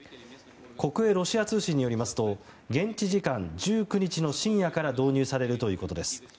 国営ロシア通信によりますと現地時間１９日の深夜から導入されるということです。